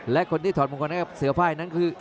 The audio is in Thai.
และคนที่ถอดมงคลนั้นกับเสือไหวพ่ายนั้นคือ